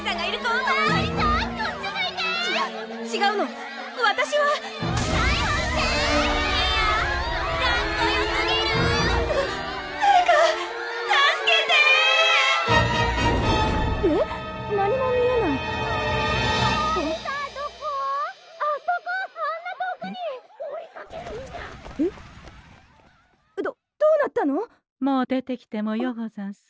もう出てきてもようござんすよ。